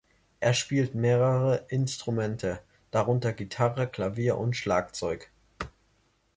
Er spielt mehrere Instrumente, darunter Gitarre, Klavier und Schlagzeug.